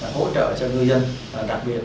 hỗ trợ cho ngư dân đặc biệt